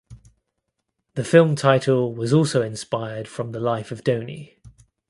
The film title was also inspired from the life of Dhoni.